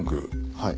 はい。